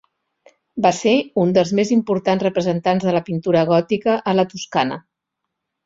Va ser un dels més importants representants de la pintura gòtica a la Toscana.